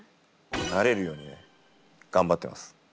なれるように頑張ってます。